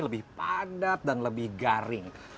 lebih padat dan lebih garing